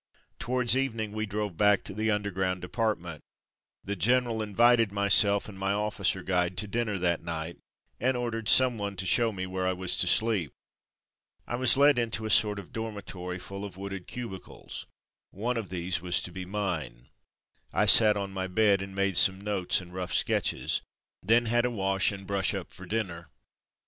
Towards evening we drove back to the underground department. The general in vited myself and my officer guide to dinner that night, and ordered someone to show me where I was to sleep. I was led into a sort of dormitory full of wooded cubicles, one of these was to be mine. I sat on my bed and made some notes and rough sketches, then had a wash and brush up for dinner.